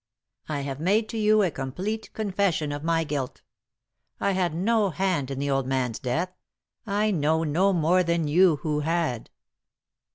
I have made to you a complete confession of my guilt. I had no hand in the old man's death ; I know no more than you who had."